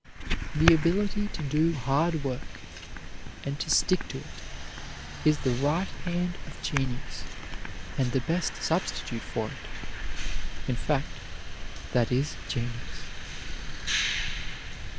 The ability to do hard work, and to stick to it, is the right hand of genius and the best substitute for it, in fact, that is genius.